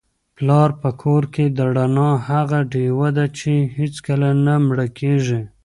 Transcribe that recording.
پلار په کور کي د رڼا هغه ډېوه ده چي هیڅکله نه مړه کیږي.